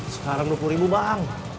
sekarang dua puluh ribu barang